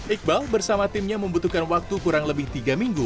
iqbal bersama timnya membutuhkan waktu kurang lebih tiga minggu